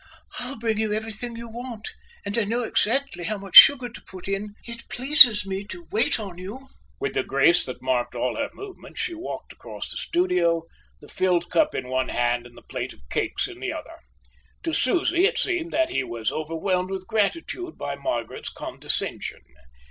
"I'll bring you everything you want, and I know exactly how much sugar to put in. It pleases me to wait on you." With the grace that marked all her movements she walked cross the studio, the filled cup in one hand and the plate of cakes in the other. To Susie it seemed that he was overwhelmed with gratitude by Margaret's condescension.